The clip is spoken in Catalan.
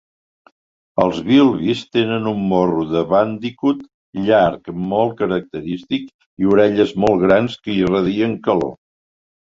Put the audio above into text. Els bilbis tenen un morro de bàndicut llarg molt característic i orelles molt grans que irradien calor.